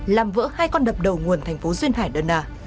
làm vỡ hai con đập đầu nguồn thành phố duyên hải đơn nà